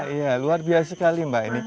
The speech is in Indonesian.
iya luar biasa sekali mbak